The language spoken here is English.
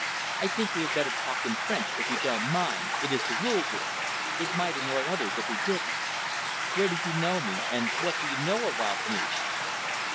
"I think we had better talk in French, if you don't mind it is the rule here. It might annoy others if we didn't. Where did you know me, and what do you know about me?"